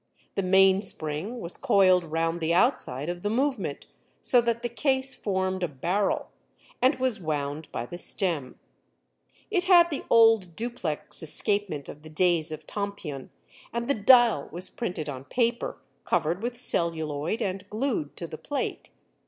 The mainspring was coiled round the outside of the movement, so that the case formed a barrel, and was wound by the stem. It had the old duplex escapement of the days of Tompion and the dial was printed on paper, covered with celluloid and glued to the plate.